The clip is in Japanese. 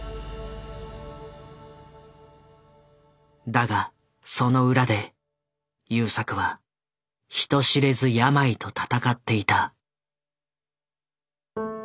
だがその裏で優作は人知れず病と闘っていた。